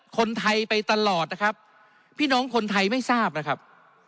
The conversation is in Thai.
คนไทยไปตลอดนะครับพี่น้องคนไทยไม่ทราบนะครับ